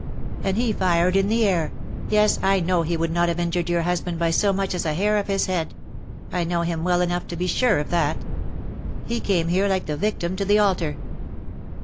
And he fired in the air — yes, I know he would not have injured your husband by so much as a hair of his head — I know him well enough to be sure of that. He came here like the victim to the altar.